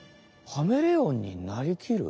カメレオンになりきる。